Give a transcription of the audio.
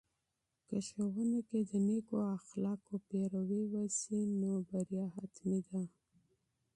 که ښوونې کې د نیکو اخلاقو پیروي وسي، نو بریا حتمي ده.